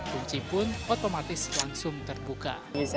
kunci pun otomatis langsung terbuka